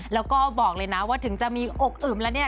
แล้วก็บอกเลยนะว่าถึงจะมีอกอึมแล้วเนี่ย